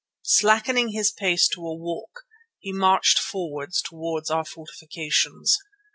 Slackening his pace to a walk he marched forwards towards our fortifications.